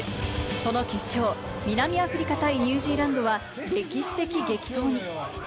その決勝、南アフリカ対ニュージーランドは歴史的激闘に。